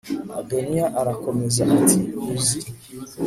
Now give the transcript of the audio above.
Adoniya arakomeza ati uzi